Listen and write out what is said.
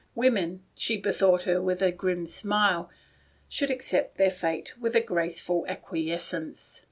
Women, she bethought her with a grim smile, should accept their fate with a graceful acquiescence.